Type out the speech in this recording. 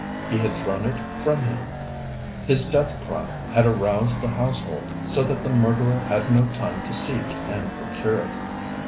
He had thrown it from him; his death cry had aroused the household so that the murderer had no time to seek and procure it.